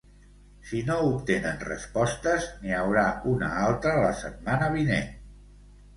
Si no obtenen respostes, n'hi haurà una altra la setmana vinent.